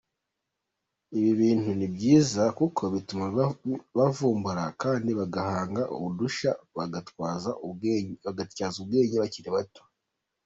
Ibi bintu ni byiza kuko bituma bavumbura kandi bagahanga udushya bagatyaza ubwenge bakiri bato.